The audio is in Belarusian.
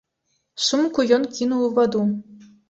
Сумку ён кінуў у ваду.